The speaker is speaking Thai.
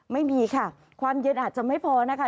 ไม่มีค่ะความเย็นอาจจะไม่พอนะคะ